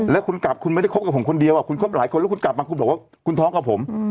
แล้วคุณกลับคุณไม่ได้คบกับผมคนเดียวคุณคบหลายคนแล้วคุณกลับมาคุณบอกว่าคุณท้องกับผม